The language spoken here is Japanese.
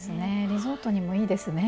リゾートにもいいですね。